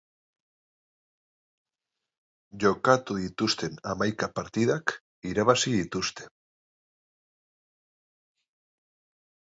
Jokatu dituzten hamaika partidak irabazi dituzte.